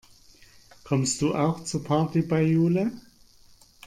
Kommst du auch zur Party bei Jule?